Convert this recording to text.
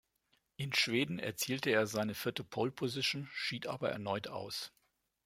In Schweden erzielte er seine vierte Pole-Position, schied aber erneut aus.